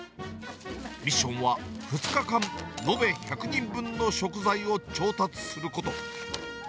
ミッションは２日間延べ１００人分の食材を調達すること。